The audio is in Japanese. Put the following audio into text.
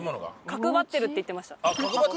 角張ってるって言ってました。